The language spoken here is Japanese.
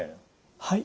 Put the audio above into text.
はい。